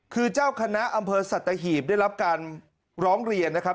คือเจ้าคณะอำเภอสัตหีบได้รับการร้องเรียนนะครับ